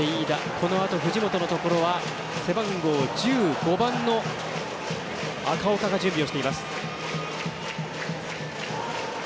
このあと、藤本のところは背番号１５番の赤岡が準備をしています。